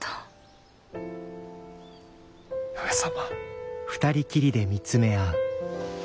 上様。